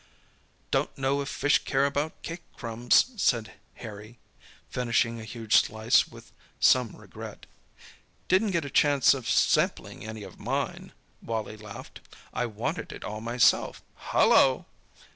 "Don't know if fish care about cake crumbs," said Harry, finishing a huge slice with some regret. "Didn't get a chance of sampling any of mine," Wally laughed; "I wanted it all myself. Hallo!"